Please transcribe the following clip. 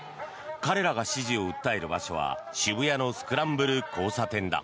彼らが支持を訴える場所は渋谷のスクランブル交差点だ。